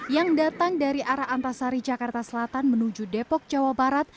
yang datang dari arah antasari jakarta selatan menuju depok jawa barat